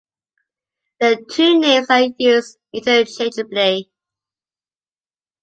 The two names are used interchangeably.